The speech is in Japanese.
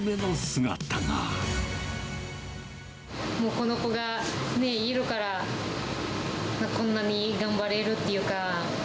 この子がいるから、こんなに頑張れるっていうか。